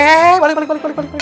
hehehe balik balik balik